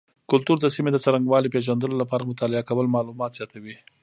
کلتور د سیمې د څرنګوالي پیژندلو لپاره مطالعه کول معلومات زیاتوي.